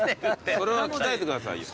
それは鍛えてください。